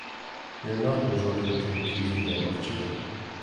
You're not resorting to accusing them of cheating